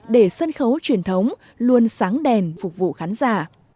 để sân khấu truyền thống luôn sáng đèn phục vụ khán giả